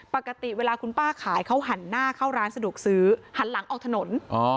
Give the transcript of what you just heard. ปกติเวลาคุณป้าขายเขาหันหน้าเข้าร้านสะดวกซื้อหันหลังออกถนน